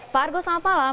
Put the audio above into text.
pak argo selamat malam